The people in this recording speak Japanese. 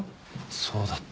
そうだった。